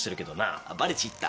あっバレちった。